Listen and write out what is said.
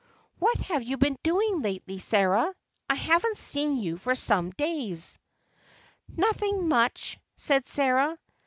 "What have you been doing lately, Sarah? I haven't seen you for some days." "Nothing much," said Sarah.